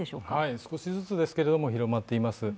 少しずつですけれども、広まっています。